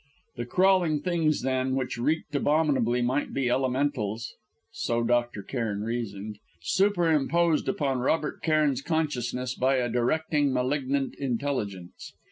The crawling things, then, which reeked abominably might be Elementals (so Dr. Cairn reasoned) superimposed upon Robert Cairn's consciousness by a directing, malignant intelligence.